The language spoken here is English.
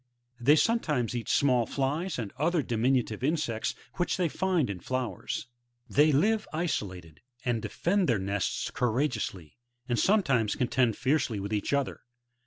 They sometimes eat small flies and other diminutive insects which they find in flowers. They live isolated, and defend their nests courageously, and some times contend fiercely with each other.